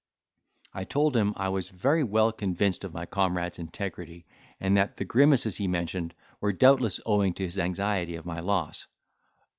I told him I was very well convinced of my comrade's integrity and, that the grimaces he mentioned were doubtless owing to his anxiety of my loss.